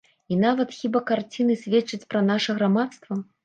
І нават хібы карціны сведчаць пра наша грамадства.